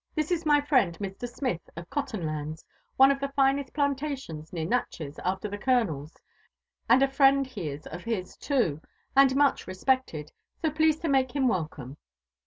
This is my friend, Mr. Smith of Cottenlands, one of the finest plantations near Natchez after the coloners; and a friend he is of his too, and much respected, so please to make him welcome."